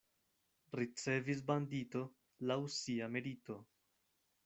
Ricevis bandito laŭ sia merito.